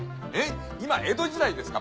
今江戸時代ですか？